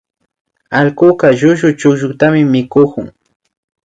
Allkuka llullu chukllutami mikukun